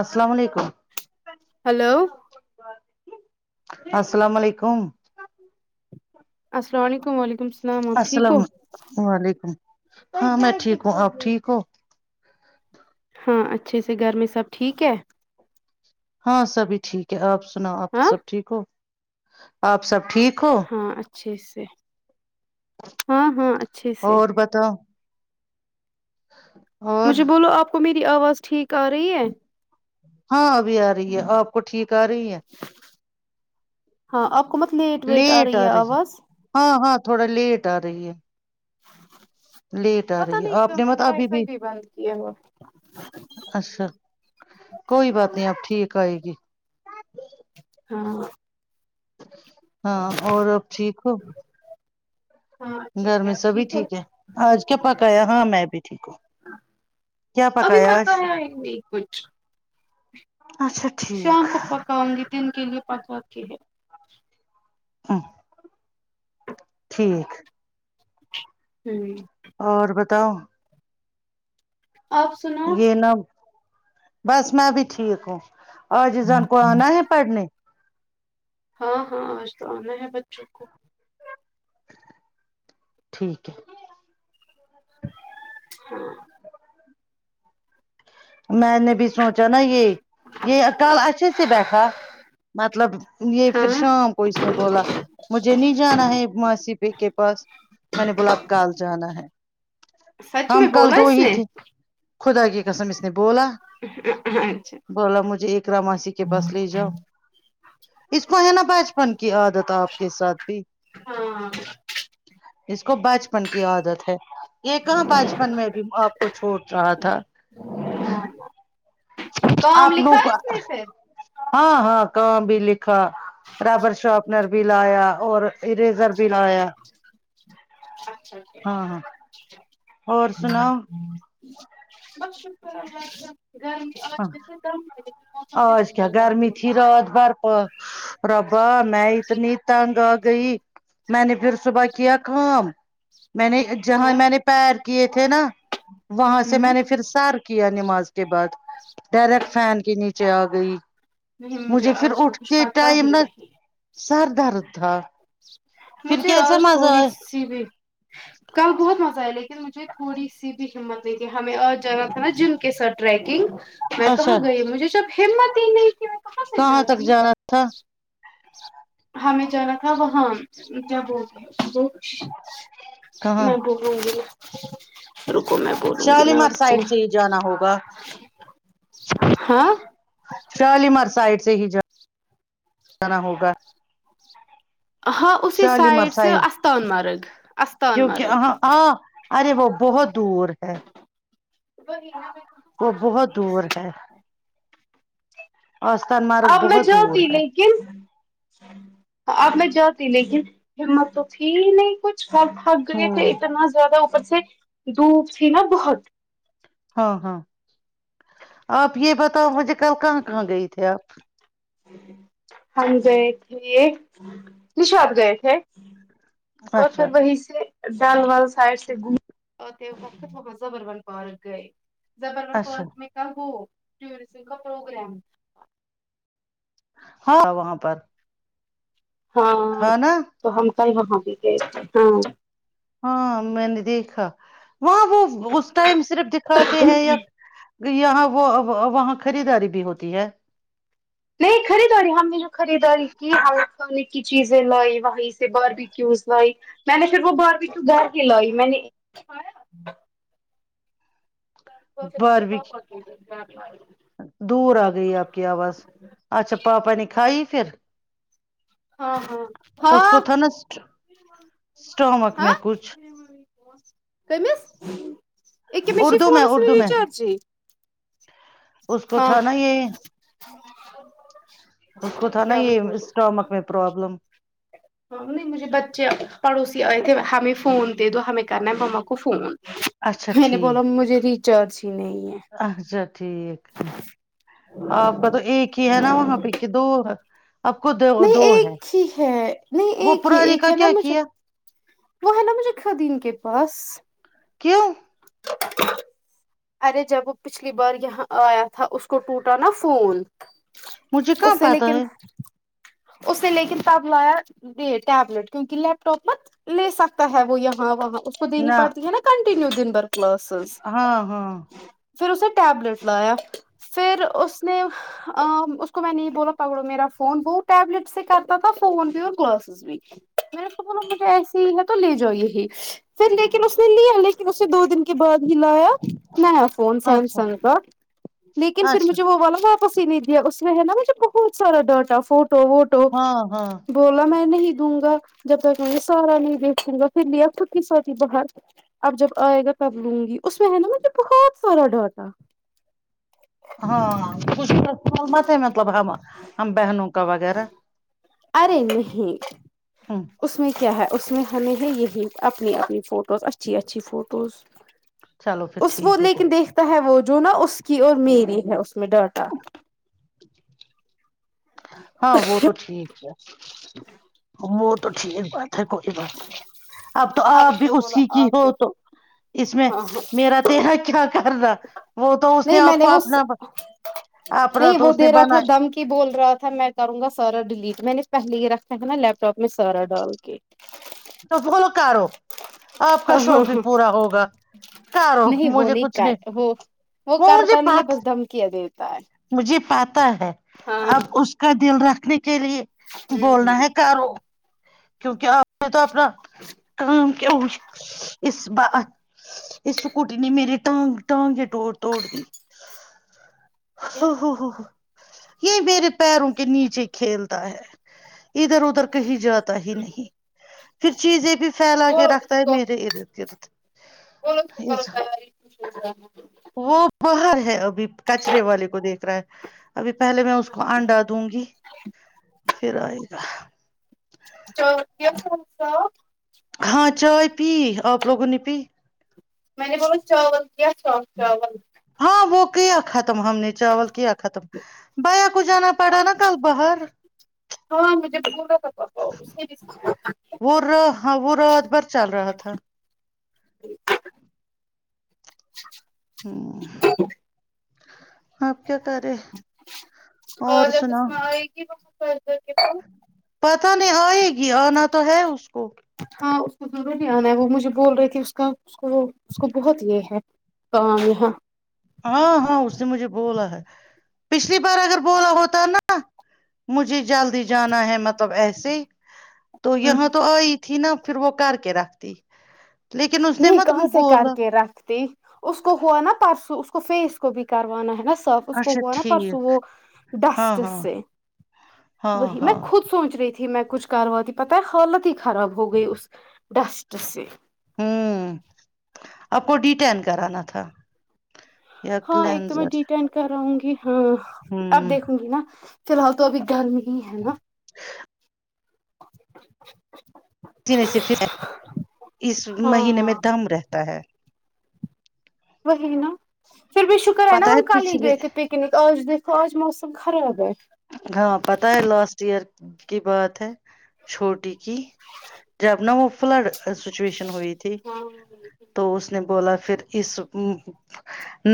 السلام علیکم ہلو السلام علیکم اسلام علیکم وعلیکم السلام آپ ٹھیک ہو السلام وعلیکم ہاں میں ٹھیک ہوں آپ ٹھیک ہو ہاں اچھے سے گھر میں سب ٹھیک ہے ہاں سبھی ٹھیک ہے آپ سنا آپ ہاں سب ٹھیک ہو آپ سب ٹھیک ہو ہاں اچھے سے ہاں ہاں اچھے سے بتاو اور مجھے بولو آپ کو میری آواز ٹھیک آ رہی ہے ہاں ابھی آ رہی ہے آپ کو ٹھیک آ رہی ہے ہاں آپ کو مت لیٹ ویٹ آ رہی ہے آواز ہاں ہاں تھوڑا لیٹ آرہی ہے لیٹ آ پتا رہی ہے نہیں آپ کیوں نے میں مت وائی ابھی فائی بھی بند کیا ہوا اچھا کوئی بات نہیں آب ٹھیک آئے گی ہاں ہاں اور ٹھیک ہو ہاں اچھے گر سے میں آپ سبھی ہو ٹھیک ہے آج کیا پکایا ہاں میں بھی ٹھیک ہوں کیا ابھی پکایا پتا آج ہے ہی نہیں کچھ اچھا ٹھیک شام پکاؤں گی دن کے لیے پکاتی ہے ہاں ٹھیک ہوں اور بتاؤ آپ سنا یہ نہ بس میں بھی ٹھیک ہوں اورجزن کو آنا ہے پڑھنے ہاں ہاں آج تو آنا ہے بچوں کو ٹھیک ہے ہاں میں نے بھی سوچا نا یہ یہ کل اچھے سے بیٹھا مطلب یہ پھر ہاں شام کو اس نے بولا مجھے نہیں جانا ہے ماسی پی کے پاس میں نے بولا اب کل جانا ہے سچ میں ہم کل بولا دو اس ہی نے تھے خدا کی قسم اس نے بولا اچھا بولا مجھے اقرا ماسی کے پاس لے جاؤ اس کو ہے نا بچپن کی عادت آپ کے ساتھ بھی ہاں اس کو بچپن کی عادت ہے یہ کہاں بچپن میں بھی آپ کو چھوٹ رہا تھا [unintelligible] کام آپ لکھا لوگ ہے اس میں سے ہاں ہاں کام بھی لکھا ربر شارپنر بھی لایا اور اریزر بھی اچھا کیا لایا اچھا ہاں ہاں ٹھیک اور سناؤ بس شکراللہ کا گرمی آج ہاں جیسے کم ہے لیکن موسم سے اج کیا ٹھنڈا گرمی ہوا تھی رات بھر ب ربا میں اتنی تنگ آ گئی میں نے پھر صبح کیا کام میں نے جہاں کیا میں نے پیر کیے تھے نا وہاں سے ہوں میں نے پھر سر کیا نماز کے بعد ڈائریکٹ فین کے نیچے آ گئی نہیں مجھے پھر آج کا کچھ اٹھتے پتا ٹائم ہی نا نہیں سر درد تھا پھر مجھے کیسا آج مزہ تھوڑی اے سی بھی کل بہت مزہ آئے لیکن مجھے تھوڑی سی بھی ہمت کہ ہمیں اور جانا تھا نا جم کے ساتھ ٹریکنگ میں کہاں اچھا گئی مجھے جب ہمت ہی نہیں تھی میں کہاں سے تک جاتی جانا تھا ہمیں جانا تھا وہاں جب وہ وہ کہاں میں بولوں گی نہ رکو میں بولوں گی نا شالیمار آپ کو سائڈ سے ہی جانا ہوگا ہاں شالیمار سائڈ سے ہی ج جانا ہوگا ہاں اسی سائڈ سےآستان مارگ آستان کیونکہ مارگ ہاں ہاں ارے وہ بہت دور ہے وہیں ہے میں کہاں وہ سے جلتی بہت دور اسی ہے آستان مارگ اب میں بہت دور جاتی ہے لیکن اب میں جاتی لیکن ہمت تو تھی نہیں کچھ پ تھک گئے تھے ہوں اتنا زیادہ اوپر سے دھوپ تھی نا بہت ہاں ہاں آپ یہ بتاؤ مجھے کل کہاں کہاں گئی تھے آپ ہم گئے تھے نشاتھ گئے تھے اور پھر اچھا وہیں سے ڈل وال سائڈ سے گوم اور فت فت زبر ون پارک گئے زبر ون اچھا پارک میں کا وہ ٹورزم کا پروگرام ہاں وہاں پر ہاں تھا نا تو ہم کل وہاں بھی گئے تھے ہاں ہاں میں نے دیکھا وہاں وہ اس ٹائم صرف دکھاتے ہیں یا یہاں وہ وا وہاں خریداری بھی ہوتی ہے نہیں خریدا ارے ہم نے جو خریداری کی الیکٹرانک کی چیزیں لائی وہیں سے باربی کیوز لائی میں نے پھر وہ بار بیکیو گھر بھی میں نے میرے باربی کی پاپا کے گھر لائی۔ دور آ گئی آپ کی آواز اچھا پاپا نے کھائی پھر ہاں اس ہاں ہاں کو تھا نا اسٹامک میں ہاں کچھ کمس یہکے م چ اردو میں فونس اردو میں ریچارجی اس کو تھا نا یہ [unintelligible] اس کو تھا نا کیا یہ میں بول اسٹامک میں پرابلم م نہیں مجھے بچے پڑوسی آئے تھے ہمیں فون دے دو ہمیں کرنا ہے مما کو فون اچھا میں نے بولا ٹھیک مجھے ریچارج ہی نہیں ہے اچھا ٹھیک ہے آپ کا تو ایک ہی ہے نا وہاں پہ کہ دو آپ کو دو نہیں دو ایک ہے ہی ہے نہیں وہ ایک ہی پرانی ایک کا ہے نا کیا مجھے کیا وہ ہے نا مجھے خھدین کے پاس کیوں ارے جب وہ پچھلی بار یہاں آیا تھا اس کو ٹوٹا نا فون مجھے کہاں اس نے پتا لیکن ہے اس نے لیکن پاب د ٹیبلیٹ کیونکہ لیپ ٹاپ مت لے سکتا ہے وہ یہاں وہاں خود نہیں نہ پڑھتی ہے نا کنٹنیو دن بھر کلاسز ہاں ہاں پھر اس نے ٹیبلٹس لایا پھر اس نے ا اس کو میں نہیں بولا پکڑو میرا فون وہ ٹیبلیٹ سے کرتا تھا فون بھی اور کالس میں کو بولا مجھے ایس ہی ہے تو لے جا یہی پھر لیکن اس نے لیا لیکن اس دو دن کے بعد ہی لایا نیا فون اچھا سیمسنگ کا لیکن پھر اچھا مجھے وہ والا وا پسی نہیں دیا اس میں ہے نا مجھے بہت سارا ڈاٹا فوٹو ووٹو ہاں ہاں بولا میں نہیں دوں گا جب تک میں نے سارا نہیں دیکھوں گا پھر لیا پک سای باہر اب جب آئے گا تب لوں گی اس میں ہے نا مطلب بہت سارا ڈاٹا ہاں [unintelligible] ک مت ہے مطلب ہم ہم بہنوں کا وغیرہ ارے نہیں ہاں اس میں کیا ہے اس میں ہمیں ہے یہی اپنی اپنی فوٹوز اچھی اچھی فوٹوز چلو پھر اس وہ ٹھیک ہے لیکن کوئی دیکھتا ہے وہ جو نا اس کی اور میری ہے اس میں ڈاٹا ہاں وہ تو ٹھیک ہے وہ تو ٹھیک ب پ کو بات نہیں اب تو آپ اس بھی نے بولا اسی کی ہو اوکے تو اس میں ہاں ہاں میرا تیرا کیا کر رہا نہیں میں نے وہ اپنا نہیں تو وہ اس نے دے رہا تھا بنایا دم کی بول رہا تھا میں کروں گا سارا ڈیلیٹ میں نے پہلے یہ رکھا تھا نا لیپٹاپ میں سارا ڈال کے تو بولا کرو آپ کا ہاں ہاں شوق بھی ہاں پورا ہوگا کارو نہیں وہ مجھے کچھ نہیں کر وہ وہ مجھے کرتا نہیں ہے پات بس دھمکیاں دیتا ہے مجھے پاتا ہے ہاں اب ہاں اس کا دل رکھنے کے لیے بولنا ہے کر ہو کیونکہ آپ نے تو اپنا [unintelligible] کیا ہو اس ب اس سکوٹی نے میری انگ ٹانگے توڑ توڑ دی ہو ہو یہ میرے پیروں کے نیچے کھیلتا ہے ادھر ادھر کہیں جاتا تا ہی نہیں پھر چیزیں بھی پھیلا کے بولو رکھتا اس ہے کو میرے ارد گرد بولو اس کو کرو اچھا [unintelligible] وہ باہر ہے ابھی کچرے والے کو دیکھ رہا ہے ابھی پہلے میں اس کو انڈا دوں گی پھر آئے گا چت فس [unintelligible] ہاں چائے پی آپ لوگوں نے پی میں نے بول چاول کیا چام چاول ہاں وہ کیا ختم ہم نے چاول کیا ختم بایا کو جانا پڑا نا کل باہر ہاں مجھے بھی بولا [unintelligible] کا کا وہ رہو ہاں وہ رات بھر چل رہا تھا ہمم آپ کیا کر رہے اور جب بسمہ آئے گی [unintelligible] وہد کےتا پتہ نہیں آئے گی آنا تو ہے اس کو ہاں اس کو ضروری آنا ہے وہ مجھے بول رہے تھی اس کا اس کو اس کو بہت یہ ہے کام یہاں ہاں ہاں اس نے مجھے بولا ہے پچھلی بار اگر بولا ہوتا نا مجھے جلدی جانا ہے مطلب ایسے تو یہاں تو آئی تھی نا پھر وہ کر کے رکھتی لیکن اس نے نہیں مت کہاں سے کر بولا کے رکھتی اس کو ہوا نا پرسو اس کو فیس کو بھی کروانا ہے نا اس کو اچھا ہوا نا پرسوں ٹھیک وہ ہاں ڈسٹ ہاں سے ہاں وہی میں ہاں خود سوچ رہی تھی تھی میں کچھ کروا تی پتا ہے حالت ہی خراب ہو گئی اس ڈسٹ سے ہوں آپ کو ڈی ٹین کرانا تھا یا ہاں ایک تو میں کلینزر ڈی ٹین کراوں گی ہاں اب ہمم دیکھوں گی نا فی الحال تو ابھی گرمی یہ ہے نا نے سے [inaudible] اس ہاں مہینے میں ہاں دم رہتا ہے وہی نا پھر بھی شکر ہے نا پتہ ہم کال ہی پچھلے گئے تھے پ نی آج دیکھو آج موسم خراب ہے ہاں پتا ہے لاسٹ ایئر کی بات ہے چھوٹی کی جب نہ وہ فلڈ سچویشن ہوئی تھی ہاں تو اس نے بولا پھر اس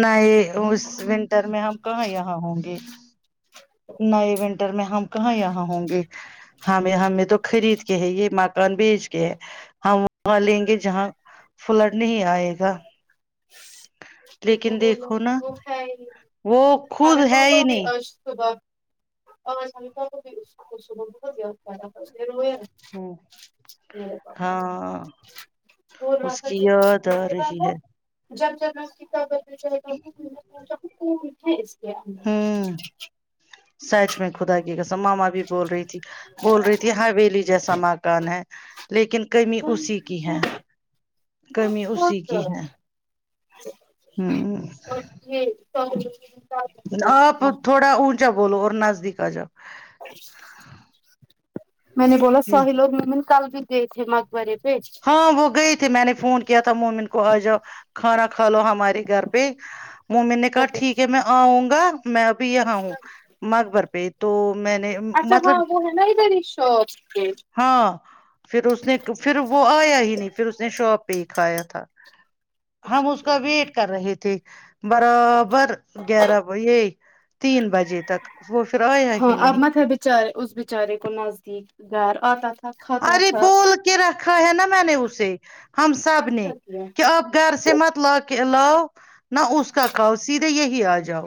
نئے اس ونٹر میں ہم کہاں یہاں ہوں گے نئے ونٹر میں ہم کہاں یہاں ہوں گے ہمیں ہمیں تو خرید کے ہے یہ مکان بیچ کے ہے ہم وہاں لیں گے جہاں فلڈ نہیں آئے گا تو لیکن وہو دیکھو [unintelligible] نا وہ ہے وہ خود ہمیں ہے ہی پاپا بھی نہیں اج صبح اوراں ستا کو بھیح بہت بیات زیادہ پس رہو ہے [unintelligible] ہمم ہاں بول اس رہا تھا کی دیکھو یاد آ بول رہا رہی تھا ہے جب جب [unintelligible] تات اس کے اندر ہوں سچ میں خدا کی قسم ماما بھی بول رہی تھی بول رہی تھی ہویلی جیسا مکان ہے لیکن کمی اسی کی ہے کمی اسی کی کیا ہے ہوں جی [unintelligible] آپ تھوڑا اونچا بولو اور نزدیک آ جاؤ میں نے بولا ساہی لوگ م کل بھی دیکھے مگبرے پج ہاں وہ گئے تھے میں نے فون کیا تھا مومن کو آ جاؤ کھانا کھا لو ہمارے گھر پھر مومن نے کہا ٹھیک ہے میں آؤں گا میں ابھی یہاں ہوں مقبر پہ تو میں نے اچھا مطلب ہاں وہ ہے نا ادھر ہی شاپ پہ ہاں پھر اس نے پھر وہ آیا ہی نہیں پھر اس نے شاپ پہ ہی کھایا تھا ہم اچھا اس کا ٹھیک ویٹ کر رہے تھے برابر گیارہ یہ تین بجے تک وہ پھر ایا ہاں ہی اب نہیں مت ہے بیچارے اس بچارے کو نزدیک گھر آتا تھا کھاتا ارے تھا بول کے رکھا ہے نا میں نے اسے ہم سب نے اچھا کیا کہ اب گھر سے مت لا کے لاؤ نہ اس کا کاؤ سیدھے یہی آ جاؤ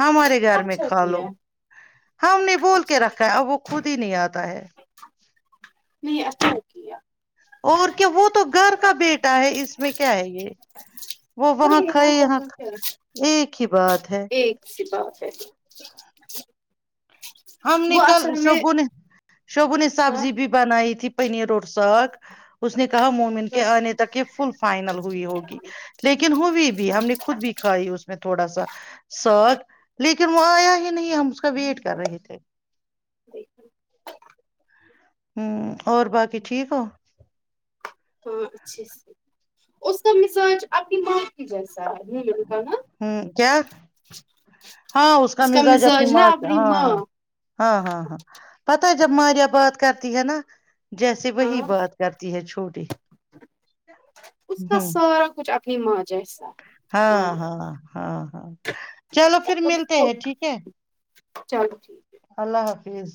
ہمارے گھر میں اچھا کھا لو کیا ہم نے بول کے اچھا رکھا کیا ہے اب وہ خود ہی نہیں آتا ہے نہیں اچھا کیا اور کیا وہ تو گھر کا بیٹا ہے اس میں کیا ہے یہ وہ وہاں کھائے یہاں ایک ہی بات ہے ش پا ہو س [unintelligible] ہم نے کل میں شبو نے شبو نے ہاں سبزی بھی بنائی تھی پنیر اور ساگ اس نے کہا مومن ہاں کے آنے تک یہ فل فائنل ہوئی ہوگی لیکن ہو بھی ہم نے خود بھی کھائی اس میں تھوڑا سا ساک لیکن وہ آیا ہی نہیں ہم اس کا ویٹ کر رہے تھے ہوں اور باقی ٹھیک ہو ہاں اچھے سے اس کا مزاج آپ کی ماں کی جیسا ہے مل کا نا ہمم کیا ہاں اس کا مزاج اپنی ماں کیا ہاں ہاں ہاں ہاں ہاں پتا جب ماریا بات کرتی ہے نا جیسے وہی ہاں بات کرتی ہے چھوٹی اس کا ہوں سارا کچھ اپنی ماں جیسا ہے ہاں ہماری ہاں ہاں ہاں چلو پھر ملتے ہیں ٹھیک ہے چلو ٹھیک اللہ حافظ